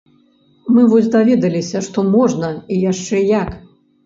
Мы вось даведаліся, што можна і яшчэ як!